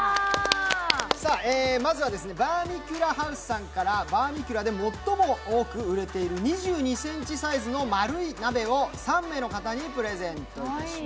まずはバーミキュラハウスさんから、バーミキュラで最も多く売れている２２ｃｍサイズの丸い鍋を３人の方にプレゼント。